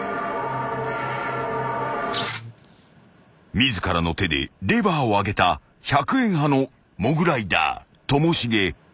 ［自らの手でレバーを上げた１００円派のモグライダーともしげ］